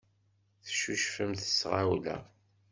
Teccucfemt s tɣawla.